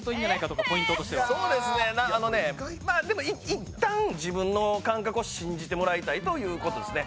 いったん、自分の感覚を信じてもらいたいということですね。